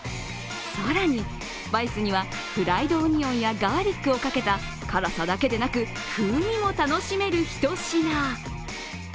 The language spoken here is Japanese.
更にスパイスにはフライドオニオンやガーリックをかけた辛さだけでなく風味も楽しめるひと品。